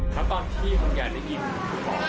แล้วตอนที่คุณยายได้ยิน